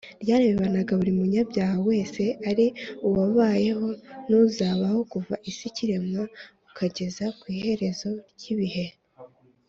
ryarebaga buri munyabyaha wese ari uwabayeho n’uzabaho, kuva isi ikiremwa ukageza ku iherezo ry’ibihe